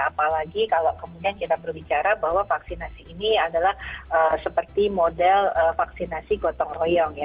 apalagi kalau kemudian kita berbicara bahwa vaksinasi ini adalah seperti model vaksinasi gotong royong ya